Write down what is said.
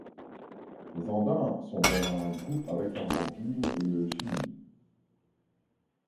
Les Andins sont dans un groupe avec l'Argentine et le Chili.